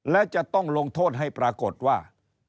และจะต้องลงโทษให้ปรากฏว่า